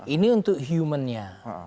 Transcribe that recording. ini untuk human nya